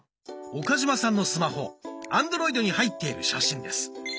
岡嶋さんのスマホアンドロイドに入っている写真です。